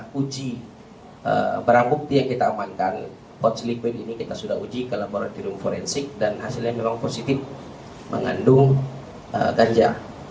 kemudian langkah langkah yang telah kita lakukan yang pertama kita sudah uji perang bukti yang kita amankan pot selikuit ini kita sudah uji ke laboratorium forensik dan hasilnya memang positif mengandung ganja